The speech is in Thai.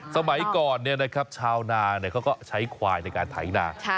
สมัยก่อนเนี่ยนะครับชาวนาเนี่ยเขาก็ใช้ควายในการไถหน้า